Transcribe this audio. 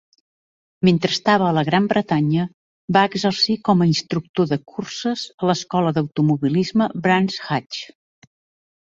Mentre estava a la Gran Bretanya, va exercir com a instructor de curses a l'escola d'automobilisme Brands Hatch.